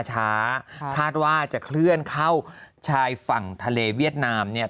คาดว่าจะเคลื่อนเข้าชายฝั่งทะเลเวียดนามเนี่ย